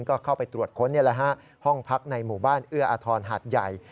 ก็เข้าไปตรวจค้นห้องพักในหมู่บ้านเอื้ออาทรหาดใหญ่